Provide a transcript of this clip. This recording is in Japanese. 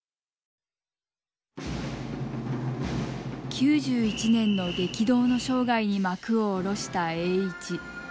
９１年の激動の生涯に幕を下ろした栄一。